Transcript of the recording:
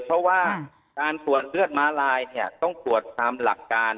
เพราะว่าการตรวจเลือดม้าลายเนี่ยต้องตรวจตามหลักการ